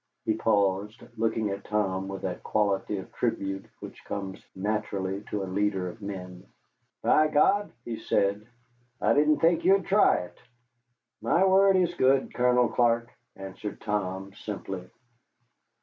He paused, looking at Tom with that quality of tribute which comes naturally to a leader of men. "By God," he said, "I didn't think you'd try it." "My word is good, Colonel Clark," answered Tom, simply.